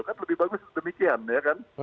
kan lebih bagus demikian ya kan